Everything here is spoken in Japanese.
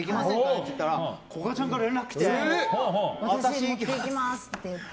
って言ったら古閑さんから連絡が来て私、持っていきますって。